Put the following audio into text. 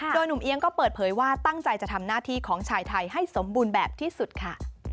โดยหนุ่มเอียงก็เปิดเผยว่าตั้งใจจะทำหน้าที่ของชายไทยให้สมบูรณ์แบบที่สุดค่ะ